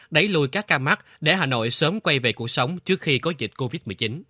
đẩy lùi các ca mắc để hà nội sớm quay về cuộc sống trước khi có dịch covid một mươi chín